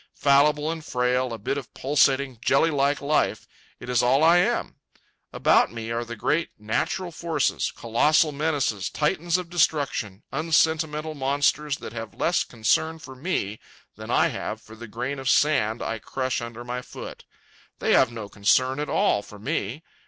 Fallible and frail, a bit of pulsating, jelly like life—it is all I am. About me are the great natural forces—colossal menaces, Titans of destruction, unsentimental monsters that have less concern for me than I have for the grain of sand I crush under my foot. They have no concern at all for me.